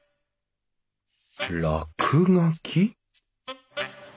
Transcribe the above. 落書き？